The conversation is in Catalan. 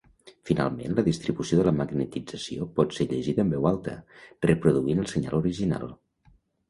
Finalment, la distribució de la magnetització pot ser llegida en veu alta, reproduint el senyal original.